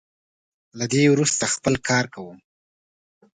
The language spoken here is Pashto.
له دې وروسته خپل کار کوم.